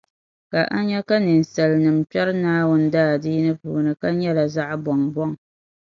Ka a nya ka ninsalinim’ kpɛri Naawuni daadiini puuni ka nyɛla zaɣi bɔŋ bɔŋ.